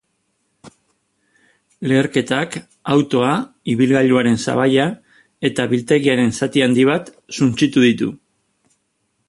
Leherketak autoa, ibilgailuaren sabaia eta biltegiaren zati handi bat suntsitu ditu.